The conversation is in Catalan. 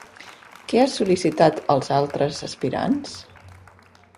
Què ha sol·licitat als altres aspirants?